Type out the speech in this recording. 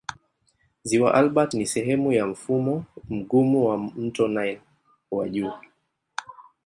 Ziwa Albert ni sehemu ya mfumo mgumu wa mto Nile wa juu.